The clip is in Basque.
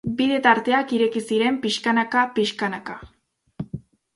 Bide tarteak ireki ziren pixkanaka-pixkanaka.